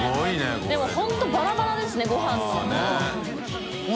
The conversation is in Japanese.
村重）でも本当バラバラですねごはんの。